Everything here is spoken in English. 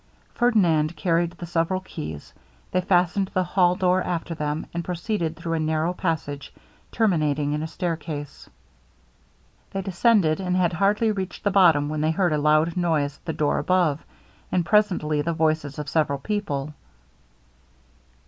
Ferdinand carried the several keys. They fastened the hall door after them, and proceeded through a narrow passage terminating in a stair case. They descended, and had hardly reached the bottom, when they heard a loud noise at the door above, and presently the voices of several people.